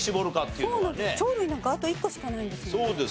鳥類なんかあと１個しかないんですもんね。